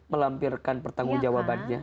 melampirkan pertanggung jawabannya